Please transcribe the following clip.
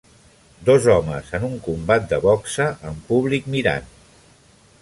Dos homes en un combat de boxa amb públic mirant